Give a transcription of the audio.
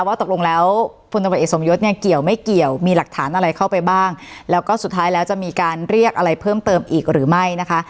ว่าตกลงแล้วพลตำรวจเอกสมยศเนี่ยเกี่ยวไม่เกี่ยวมีหลักฐานอะไรเข้าไปบ้างแล้วก็สุดท้ายแล้วจะมีการเรียกอะไรเพิ่มเติมอีกหรือไม่นะคะ